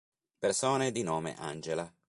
Persone di nome Angela